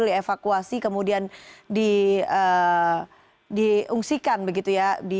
di evakuasi kemudian diungsikan begitu ya